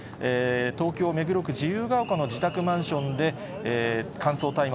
東京・目黒区自由が丘の自宅マンションで、乾燥大麻